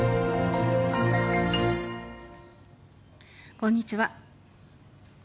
こんにちは。